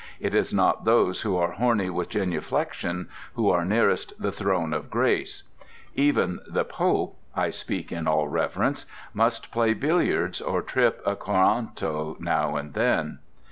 It is not those who are horny with genuflection who are nearest the Throne of Grace. Even the Pope (I speak in all reverence) must play billiards or trip a coranto now and then!